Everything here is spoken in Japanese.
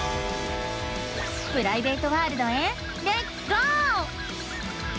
プライベートワールドへレッツゴー！